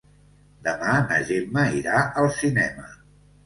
Demà na Gemma irà al cinema.